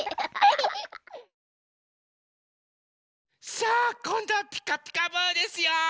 さあこんどは「ピカピカブ！」ですよ！